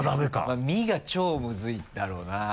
まぁ「み」が超ムズいんだろうな。